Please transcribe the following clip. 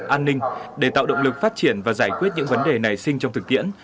an ninh để tạo động lực phát triển và giải quyết những vấn đề nảy sinh trong thực tiễn